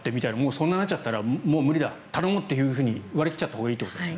そんなふうになっちゃったらもう無理だ、頼もうと割り切っちゃったほうがいいと。